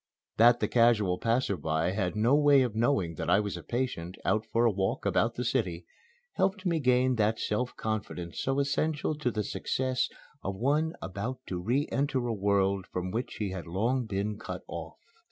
That the casual passer by had no way of knowing that I was a patient, out for a walk about the city, helped me gain that self confidence so essential to the success of one about to re enter a world from which he had long been cut off.